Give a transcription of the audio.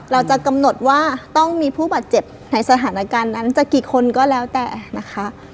เราจะกำหนดว่าต้องมีผู้บาดเจ็บในสถานการณ์นั้นจะกี่คนก็แล้วแต่นะคะ